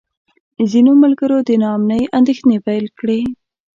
ځینو ملګرو د نا امنۍ اندېښنې پیل کړې.